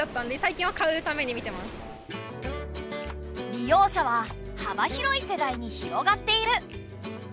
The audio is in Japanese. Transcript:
利用者ははば広い世代に広がっている。